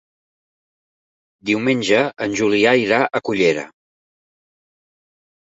Diumenge en Julià irà a Cullera.